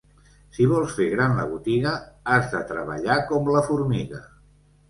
Si vols fer gran la botiga, has de treballar com la formiga.